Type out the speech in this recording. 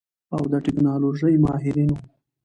او د ټيکنالوژۍ ماهرين وو.